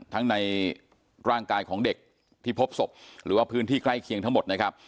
ในร่างกายของเด็กที่พบศพหรือว่าพื้นที่ใกล้เคียงทั้งหมดนะครับ